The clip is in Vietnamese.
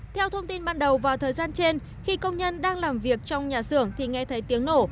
theo thông tin ban đầu vào thời gian trên khi công nhân đang làm việc trong nhà xưởng thì nghe thấy tiếng nổ